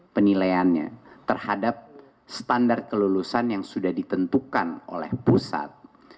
penilaiannya terhadap standar kelulusan yang sudah ditentukan oleh pusat